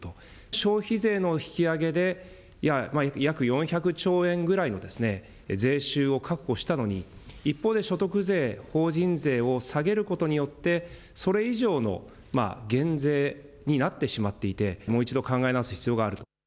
消費税の引き上げで、約４００兆円くらいの税収を確保したのに、一方で所得税、法人税を下げることによって、それ以上の減税になってしまっていて、もう一度、考え直す必要があると。